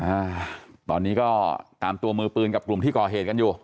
อ่าตอนนี้ก็ตามตัวมือปืนกับกลุ่มที่ก่อเหตุกันอยู่